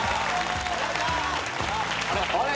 あれ？